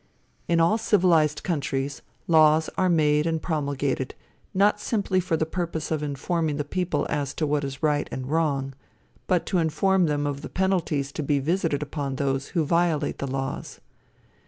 In all civilized countries, laws are made and promulgated, not simply for the purpose of informing the people as to what is right and wrong, but to inform them of the penalties to be visited upon those who violate the laws.